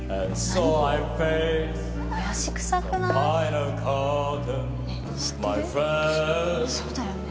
そうだよね。